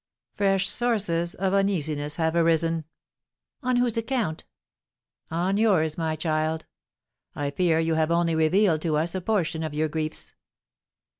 "Fresh sources of uneasiness have arisen." "On whose account?" "On yours, my child. I fear you have only revealed to us a portion of your griefs."